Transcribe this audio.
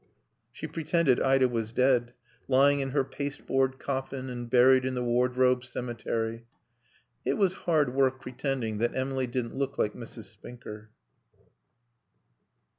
She pretended Ida was dead; lying in her pasteboard coffin and buried in the wardrobe cemetery. It was hard work pretending that Emily didn't look like Mrs. Spinker.